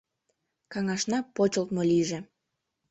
Каҥашна почылтмо лийже!